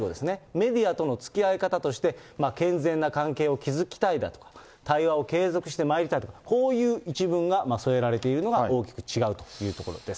メディアとの付き合い方として、健全な関係を築きたいとか、対話を継続してまいりたいとか、こういう一文が添えられているのが大きく違うというところです。